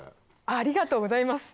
ありがとうございます。